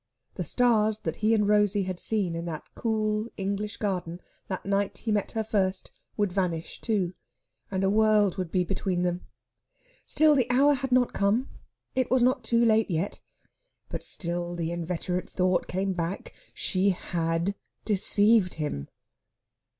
The stars that he and Rosey had seen in that cool English garden that night he met her first would vanish, too, and a world would be between them. Still, the hour had not come; it was not too late yet. But still the inveterate thought came back she had deceived him.